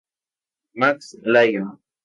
Max Lyon.